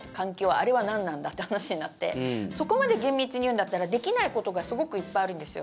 あれは何なんだという話になってそこまで厳密に言うんだったらできないことがすごくいっぱいあるんですよ。